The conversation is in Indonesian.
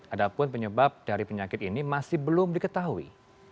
adapun penyebab dari penyakit ini masih belum diketahui